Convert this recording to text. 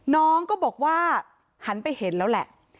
น้องก็บอกว่าหันไปเห็นแล้วแหละ